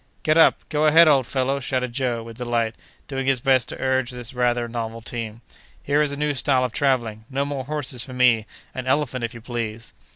"Get up—go ahead, old fellow!" shouted Joe, with delight, doing his best to urge this rather novel team. "Here is a new style of travelling!—no more horses for me. An elephant, if you please!"